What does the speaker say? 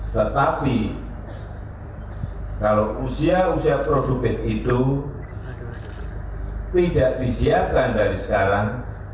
tetapi kalau usia usia produktif itu tidak disiapkan dari sekarang